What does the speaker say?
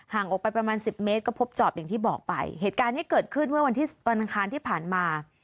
ออกไปประมาณสิบเมตรก็พบจอบอย่างที่บอกไปเหตุการณ์นี้เกิดขึ้นเมื่อวันที่วันอังคารที่ผ่านมา